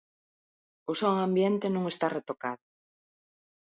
O son ambiente non está retocado.